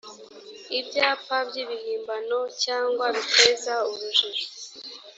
ibyapa by ibihimbano cyangwa biteza urujijo